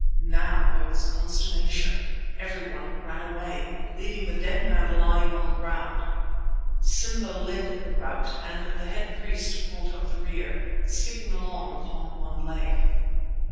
Now there was consternation. Everyone ran away, leaving the dead man lying on the ground. Simba led the rout and the head priest brought up the rear, skipping along upon one leg.